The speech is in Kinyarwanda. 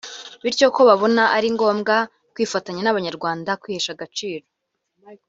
bityo ko babona ko ari ngombwa kwifatanya n’Abanyarwanda kwihesha agaciro